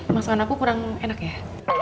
masukan aku kurang enak ya